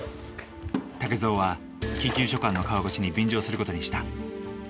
竹蔵は緊急書簡の川越しに便乗する事にした。